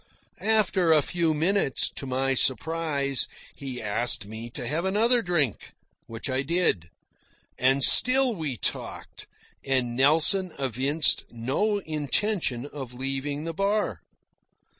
After a few minutes, to my surprise, he asked me to have another drink, which I did. And still we talked, and Nelson evinced no intention of leaving the bar.